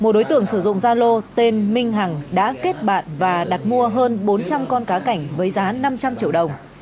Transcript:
một đối tượng sử dụng gia lô tên minh hằng đã kết bạn và đặt mua hơn bốn trăm linh con cá cảnh với giá năm trăm linh triệu đồng